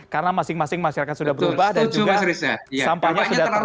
karena masing masing masyarakat sudah berubah dan juga sampahnya sudah terlalu